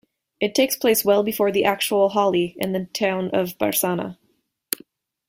It takes place well before the actual Holi in the town of Barsana.